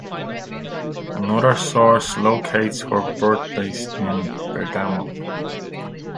Another source locates her birthplace in Bergamo.